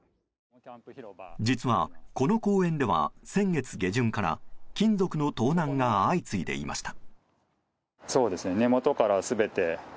実は、この公園では先月下旬から金属の盗難が相次いでいました。